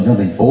trong thành phố